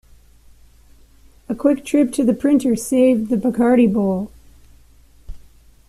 A quick trip to the printer saved the Bacardi Bowl.